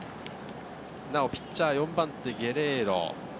ピッチャー４番手・ゲレーロ。